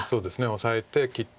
オサえて切って。